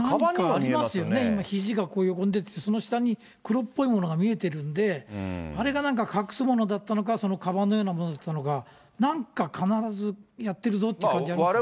ありますよね、ひじが、その下に黒っぽいものが見えてるんで、あれがなんか隠すものだったのか、そのかばんのようなものだったのか、なんか必ずやってるぞって感じありますよね。